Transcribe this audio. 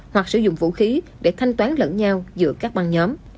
hoặc sử dụng vũ khí để thanh toán lẫn nhau giữa các băng nhóm